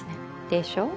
でしょ？